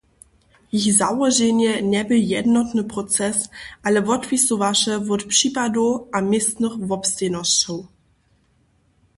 Jich załoženje njebě jednotny proces, ale wotwisowaše wot připadow a městnych wobstejnosćow.